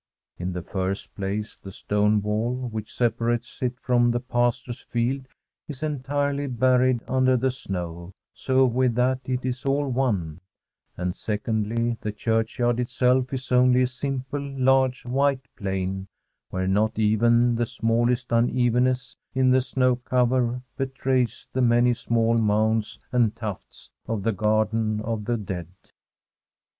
In the first place, the stone wall which separates it from the pastor's field is entirely buried under the snow, so with that it is all one ; and secondly, the churchyard itself is only a simple large, white plain, where not even the smallest unevenness in the snow cover betrays the many small mounds and tufts of the garden of the dead.